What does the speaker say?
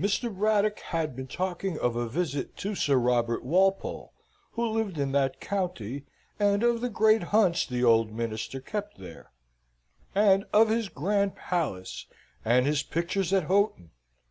"Mr. Braddock had been talking of a visit to Sir Robert Walpole, who lived in that county, and of the great hunts the old Minister kept there, and of his grand palace, and his pictures at Houghton.